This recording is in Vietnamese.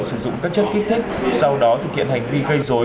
sử dụng các chất kích thích sau đó thực hiện hành vi gây dối